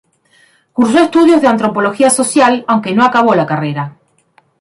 Cursó estudios de Antropología Social, aunque no acabó la carrera.